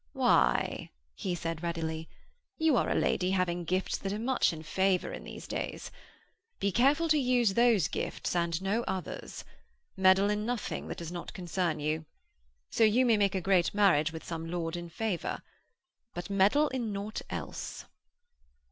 'Why,' he said readily, 'you are a lady having gifts that are much in favour in these days. Be careful to use those gifts and no others. Meddle in nothing that does not concern you. So you may make a great marriage with some lord in favour. But meddle in naught else!'